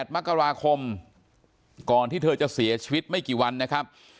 ๘มกราคมก่อนที่เธอจะเสียชีวิตไม่กี่วันนะครับ